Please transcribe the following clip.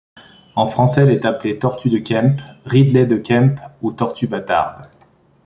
En français elle est appelée Tortue de Kemp, Ridley de Kemp ou Tortue bâtarde.